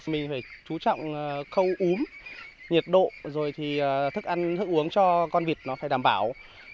mình phải chú trọng không uống nhiệt độ rồi thì thức ăn thức uống cho con vịt nó phải đảm bảo